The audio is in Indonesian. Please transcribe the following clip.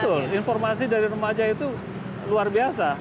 betul informasi dari remaja itu luar biasa